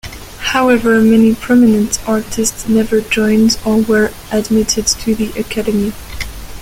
However, many prominent artists never joined or were admitted to the academy.